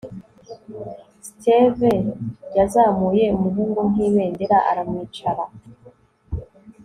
steve yazamuye umuhungu, nk'ibendera, aramwicara